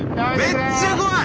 めっちゃ怖い！